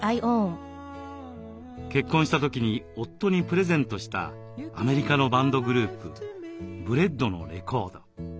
結婚した時に夫にプレゼントしたアメリカのバンドグループＢｒｅａｄのレコード。